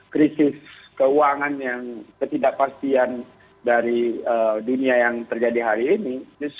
krisis keuangan yang ketidakpastian dari dunia yang terjadi hari ini